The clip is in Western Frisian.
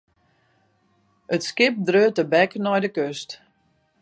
It skip dreau tebek nei de kust.